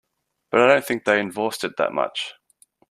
But I don't think they enforced it much.